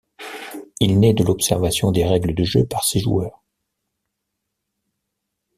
Il nait de l'observation des règles de jeu par ses joueurs.